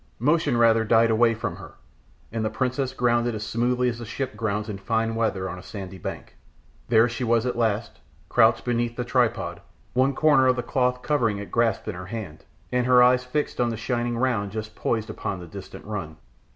Motion rather died away from her, and the priestess grounded as smoothly as a ship grounds in fine weather on a sandy bank. There she was at last, crouched behind the tripod, one corner of the cloth covering it grasped in her hand, and her eyes fixed on the shining round just poised upon the distant run.